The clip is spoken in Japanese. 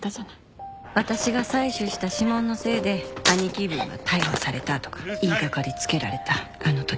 私が採取した指紋のせいで兄貴分が逮捕されたとか言い掛かりつけられたあの時。